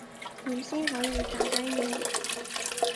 點先可以打低你